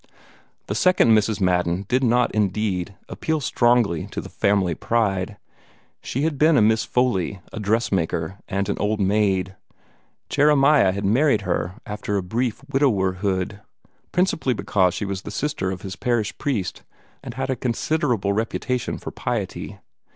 The second Mrs. Madden did not, indeed, appeal strongly to the family pride. She had been a Miss Foley, a dress maker, and an old maid. Jeremiah had married her after a brief widowerhood, principally because she was the sister of his parish priest, and had a considerable reputation for piety.